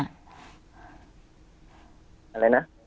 อะไรนะ